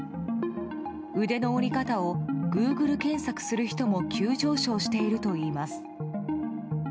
腕の折り方をグーグル検索する人も急上昇しているといいます。